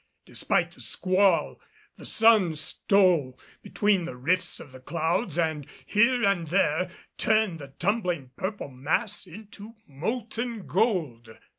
Despite the squall, the sun stole between the rifts of the clouds and here and there turned the tumbling purple mass into molten gold.